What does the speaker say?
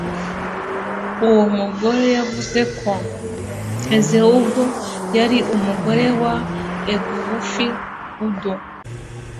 uwo mugore, yavuze ko ezeugo, yari umugore wa ogbuefi udo